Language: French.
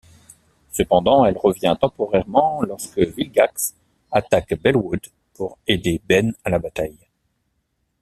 Cependant, elle revient temporairement lorsque Vilgax attaque Belwood pour aider Ben à la bataille.